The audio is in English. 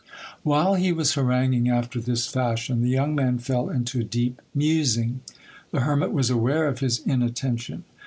While he was haranguing after this fashion, the young man fell into a deep musing. The hermit was aware of his inattention.